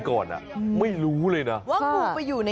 เขาจอดอยู่